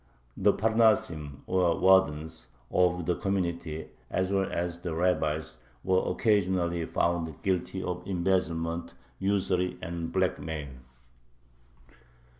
The parnasim, or wardens, of the community, as well as the rabbis, were occasionally found guilty of embezzlement, usury, and blackmail.